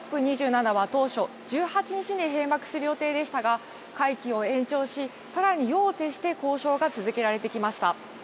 ２７は当初、１８日に閉幕する予定でしたが会期を延長し、さらに夜を徹して交渉が続けられてきました。